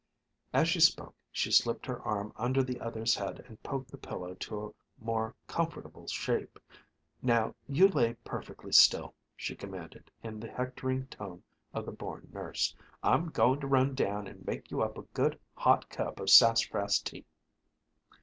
As she spoke she slipped her arm under the other's head and poked the pillow to a more comfortable shape. "Now you lay perfectly still," she commanded in the hectoring tone of the born nurse; "I'm goin' to run down and make you up a good hot cup of sassafras tea."